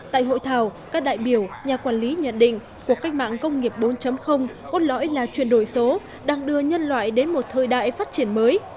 tại hội thảo các đại biểu nhà quản lý nhận định cuộc cách mạng công nghiệp bốn cốt lõi là chuyển đổi số đang đưa nhân loại đến một thời đại phát triển mới